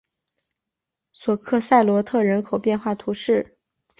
索克塞罗特人口变化图示